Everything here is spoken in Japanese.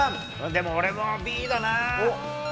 でも俺もＢだなー。